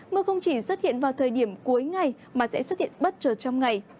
mưa không chỉ xuất hiện vào thời điểm cuối ngày mà sẽ xuất hiện bất chợt trong ngày